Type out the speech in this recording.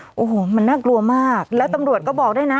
โอ้โหมันน่ากลัวมากแล้วตำรวจก็บอกด้วยนะ